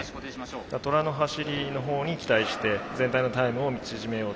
トラの走りのほうに期待して全体のタイムを縮めようと。